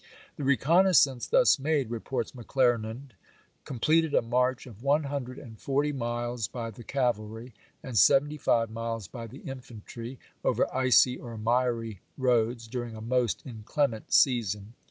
" The recon naissance thus made," reports McClernand, " com pleted a march of one hundred and forty miles by the cavalry and seventy five miles by the infantry over icy or miry roads, during a most inclement season."